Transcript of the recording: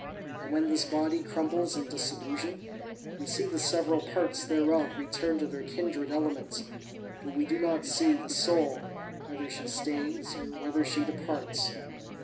And when this body crumbles in dissolution, we see the several parts thereof return to their kindred elements, but we do not see the soul, whether she stays or whether she departs.